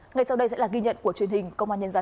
ngay sau đây sẽ là ghi nhận của truyền hình công an nhân dân